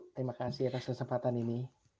terima kasih atas kesempatan ini